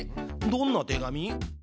どんな手紙？